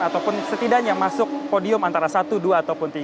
ataupun setidaknya masuk podium antara satu dua ataupun tiga